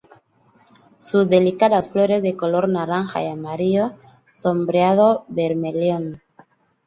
Sus delicadas flores de color naranja y amarillo, sombreado bermellón.